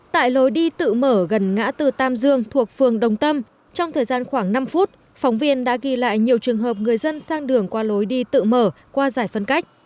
tại lối đi tự mở gần ngã từ tam dương thuộc phường đồng tâm trong thời gian khoảng năm phút phóng viên đã ghi lại nhiều trường hợp người dân sang đường qua lối đi tự mở qua giải phân cách